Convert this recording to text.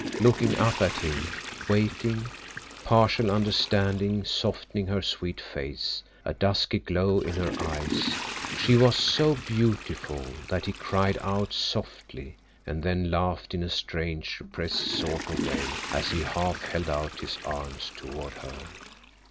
Looking up at him, waiting, partial understanding softening her sweet face, a dusky glow in her eyes, she was so beautiful that he cried out softly and then laughed in a strange repressed sort of way as he half held out his arms toward her.